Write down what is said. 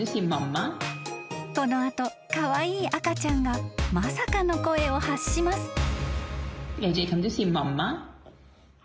［この後カワイイ赤ちゃんがまさかの声を発します］